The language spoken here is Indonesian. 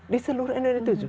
di seluruh indonesia tujuh